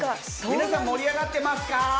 皆さん盛り上がってますか？